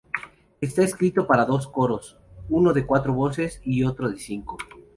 Está escrito para dos coros, uno de cuatro voces y otro de cinco.